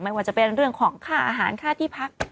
ว่าจะเป็นเรื่องของค่าอาหารค่าที่พัก